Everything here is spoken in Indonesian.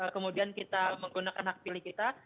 kemudian kita menggunakan hak pilih kita